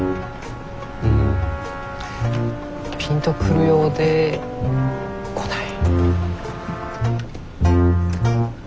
うんピンとくるようでこない。